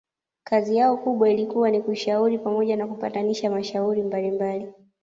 kazi yao kubwa ilikuwa ni kushauri pamoja na kupatanisha mashauri mbalimbali